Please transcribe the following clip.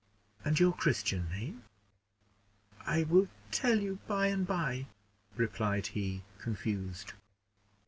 "And your Christian name?" "I will tell you by and by," replied he, confused.